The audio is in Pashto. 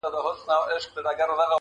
لکه جوړه له ګوهرو له الماسه -